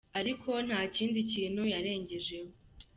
’ Ariko nta kindi kintu yarengejeho.